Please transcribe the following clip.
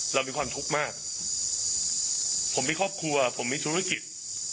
เรามีความทุกข์มากผมมีครอบครัวผมมีธุรกิจ